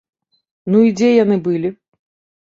Ну, і дзе яны былі?